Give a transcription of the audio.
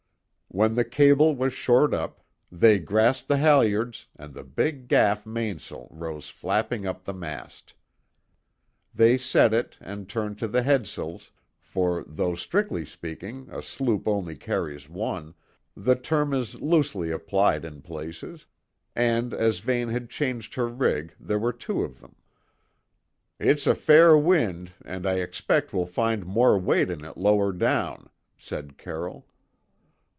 When the cable was short up, they grasped the halyards and the big gaff mainsail rose flapping up the mast. They set it and turned to the headsails, for though, strictly speaking, a sloop only carries one, the term is loosely applied in places, and as Vane had changed her rig there were two of them. "It's a fair wind, and I expect we'll find more weight in it lower down," said Carroll.